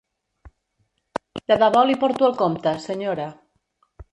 De debò li porto el compte, senyora.